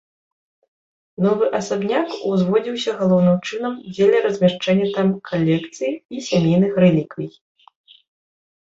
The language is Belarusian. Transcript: Новы асабняк узводзіўся, галоўным чынам, дзеля размяшчэння там калекцый і сямейных рэліквій.